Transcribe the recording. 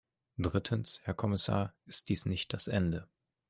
Drittens, Herr Kommissar, ist dies nicht das Ende.